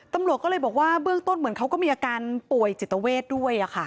ตำรวจก็เลยบอกว่าเบื้องต้นเหมือนเขาก็มีอาการป่วยจิตเวทด้วย